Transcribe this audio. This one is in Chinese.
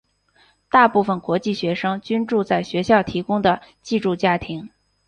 大部分国际学生均住在学校提供的寄住家庭。